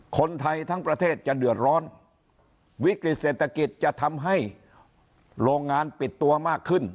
คนไทยทั้งประเทศจะเดือดร้อนวิกฤติเศรษฐกิจจะทำให้โรงงานปิดตัวมากขึ้น